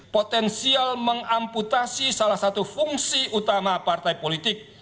potensial mengamputasi salah satu fungsi utama partai politik